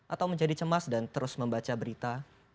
atau menjadi cemas dan terus membaca berita